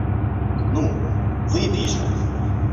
Ну, выпей же.